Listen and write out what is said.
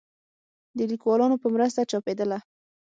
د ليکوالانو په مرسته چاپېدله